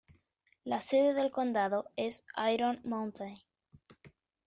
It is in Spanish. La sede del condado es Iron Mountain.